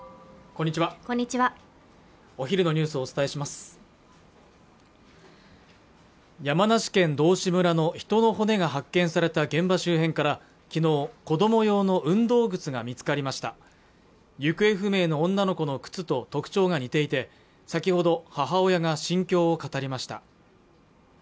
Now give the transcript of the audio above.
こんにちはお昼のニュースをお伝えします山梨県道志村の人の骨が発見された現場周辺から昨日、子供用の運動靴が見つかりました行方不明の女の子の靴と特徴が似ていて先ほど母親が心境を語りました